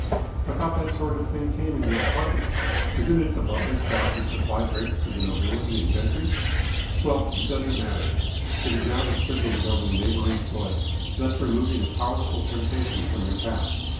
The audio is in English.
"I thought that sort of thing came in your department. Isn't it the butler's job to supply drinks to the nobility and gentry? Well, it doesn't matter. It is now distributed over the neighbouring soil, thus removing a powerful temptation from your path.